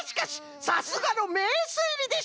さすがのめいすいりでしたな！